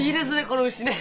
この牛ね。